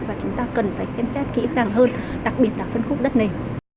và chúng ta cần phải xem xét kỹ càng hơn đặc biệt là phân khúc đất nền